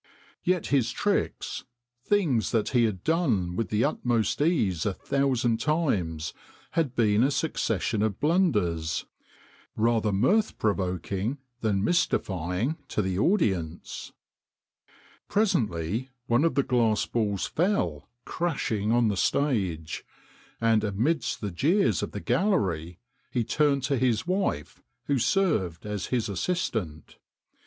Yet his tricks, things that he had done with the utmost ease a thousand times, had been a succession of blunders, rather mirth provoking than mysti fying to the audience. Presently one of the 198 THE CONJURER 199 glass balls fell crashing on the stage, and amidst the jeers of the gallery he turned to his wife, who served as his assistant.